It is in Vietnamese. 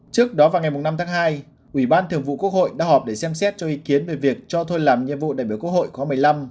trước đó vào ngày năm tháng hai ủy ban thường vụ quốc hội đã họp để xem xét cho ý kiến về việc cho thôi làm nhiệm vụ đại biểu quốc hội khóa một mươi năm